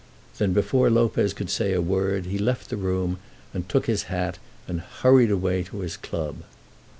Then, before Lopez could say a word, he left the room, and took his hat and hurried away to his club.